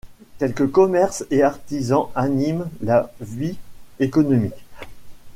Quelques commerces et artisans animent la vie économique.